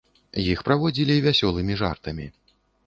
Іх праводзілі вясёлымі жартамі.